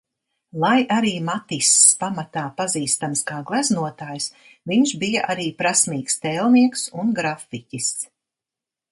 Lai arī Matiss pamatā pazīstams kā gleznotājs, viņš bija arī prasmīgs tēlnieks un grafiķis.